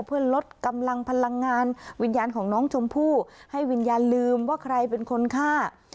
เพื่อลดกำลังพลังงานวิญญาณของน้องชมพู่ให้วิญญาณลืมว่าใครเป็นคนฆ่า